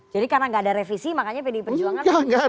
jadi karena tidak ada revisi makanya pdi perjuangan